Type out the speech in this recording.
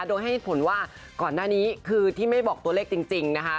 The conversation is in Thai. โดยให้ผลว่าก่อนหน้านี้คือที่ไม่บอกตัวเลขจริงนะคะ